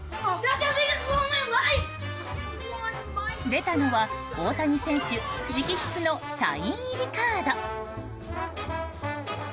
出たのは、大谷選手直筆のサイン入りカード。